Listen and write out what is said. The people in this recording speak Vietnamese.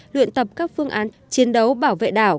luyện tập các phương án chiến đấu bảo vệ đảo